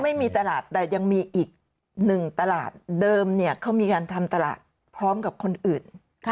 ไม่มีตลาดแต่ยังมีอีกหนึ่งตลาดเดิมเนี่ยเขามีการทำตลาดพร้อมกับคนอื่น